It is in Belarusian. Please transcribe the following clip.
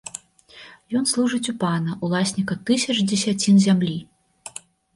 Ён служыць у пана, уласніка тысяч дзесяцін зямлі.